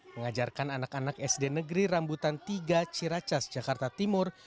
mengajarkan anak anak sd negeri rambutan tiga ciracas jakarta timur